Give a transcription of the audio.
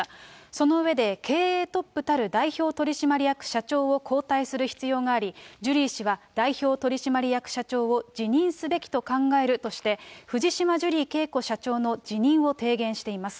その上で、経営トップたる代表取締役社長を交代する必要があり、ジュリー氏は代表取締役社長を辞任すべきと考えるとして、藤島ジュリー景子社長の辞任を提言しています。